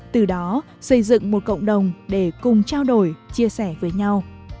từ đó xây dựng một cộng đồng để cùng trao đổi chia sẻ với nhau